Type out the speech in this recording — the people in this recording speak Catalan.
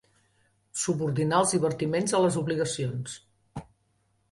Subordinar els divertiments a les obligacions.